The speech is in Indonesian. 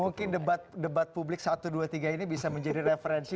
mungkin debat publik satu dua tiga ini bisa menjadi referensi